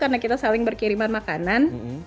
karena kita saling berkiriman makanan